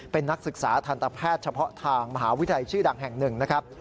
เป็นนักศึกษาทันตแพทย์เฉพาะทางมหาวิทยาลัยชื่อดังแห่งหนึ่งนะครับ